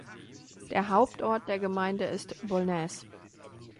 Der Hauptort der Gemeinde ist Bollnäs.